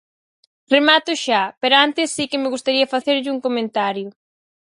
Remato xa, pero antes si que me gustaría facerlle un comentario.